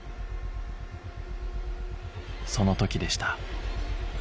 その時でした